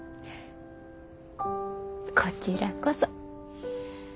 こちらこそ。